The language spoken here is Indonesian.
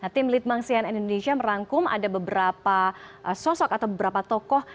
tim litbang sian indonesia merangkum ada beberapa sosok atau beberapa tokoh